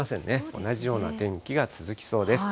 同じような天気が続きそうです。